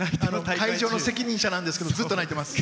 会場の責任者なんですけどずっと泣いてます。